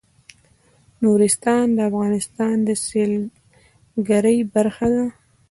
نورستان د افغانستان د سیلګرۍ برخه ده.